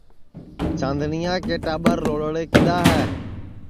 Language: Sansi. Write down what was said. چاندنِیا کے ٹاٻر رولڑے کِدؔا ہے